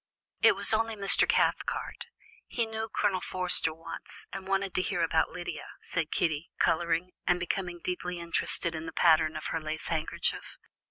"It was only Mr. Cathcart; he knew Colonel Forster once, and wanted to hear about Lydia," said Kitty, colouring and becoming deeply interested in the pattern of her lace handkerchief.